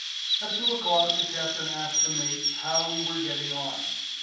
At two o'clock the Captain asked the mate how we were getting on.